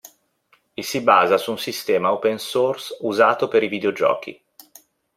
E si basa su un sistema open source usato per i videogiochi.